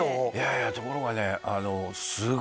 いやいやところがね